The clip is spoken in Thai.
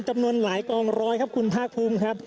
จำนวนหลายกองร้อยครับคุณภาคภูมิครับ